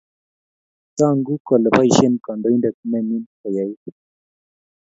tangu kole baishen kandoinatet nenyin ko yait